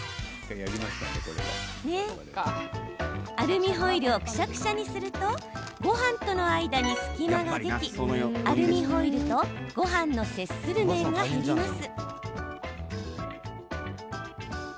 アルミホイルをクシャクシャにするとごはんとの間に隙間ができアルミホイルと、ごはんの接する面が減ります。